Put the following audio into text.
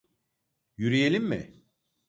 Yürüyelim mi?